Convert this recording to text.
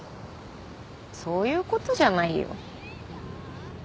そういう事じゃないよ。